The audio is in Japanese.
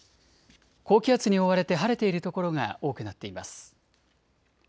高気圧に覆われて晴れている所が多くなっています。